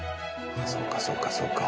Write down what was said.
そうかそうかそうか。